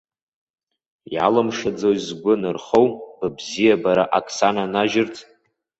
Иалымшаӡои згәы нырхоу быбзиабара ак сананажьырц?